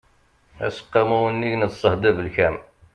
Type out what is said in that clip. aseqqamu unnig n ṣṣehd abelkam